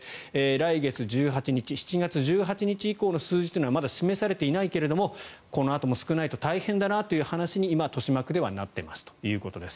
来月１８日７月１８日以降の数字はまだ示されていないけれどもこのあとも少ないと大変だなという話に今、豊島区ではなっていますということです。